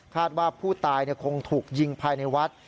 ว่าผู้ตายคงถูกยิงภายในวัด